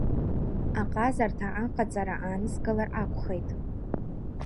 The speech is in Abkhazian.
Аҟазарҭа аҟаҵара ааныскылар акәхеит.